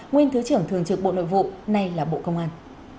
nguyên thứ trưởng thường trực bộ nội vụ nay là bộ công an